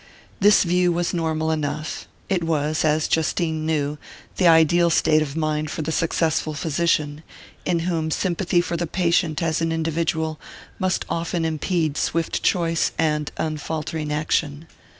This view was normal enough it was, as Justine knew, the ideal state of mind for the successful physician, in whom sympathy for the patient as an individual must often impede swift choice and unfaltering action.